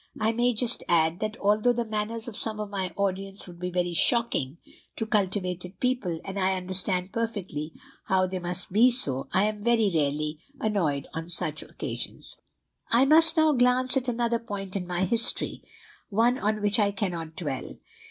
I may just add, that although the manners of some of my audience would be very shocking to cultivated people, and I understand perfectly how they must be so, I am very rarely annoyed on such occasions. "I must now glance at another point in my history, one on which I cannot dwell.